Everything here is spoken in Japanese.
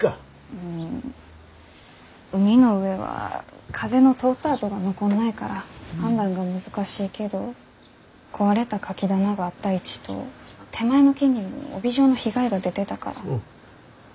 うん海の上は風の通ったあとが残んないから判断が難しいけど壊れたカキ棚があった位置と手前の木にも帯状の被害が出てたから多分。